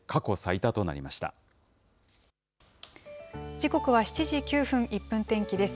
時刻は７時９分、１分天気です。